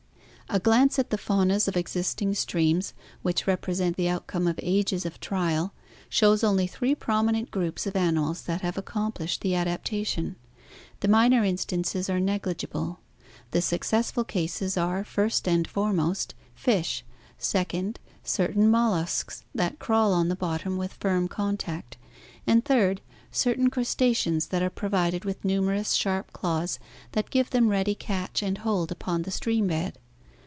"A glance at the faunas of existing streams, which represent the outcome of ages of trial, shows only three prominent groups of animals that have accomplished the adaptation. The minor in stances are negligible. The successful cases are, first and foremost, fish, second, certain molluscs that crawl on the bottom with firm contact, and third, certain crustaceans that are provided with numerous sharp claws that give them ready catch and hold upon the stream bed.